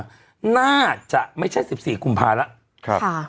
น่าจะไม่ใช่๑๔กุมภาแล้ว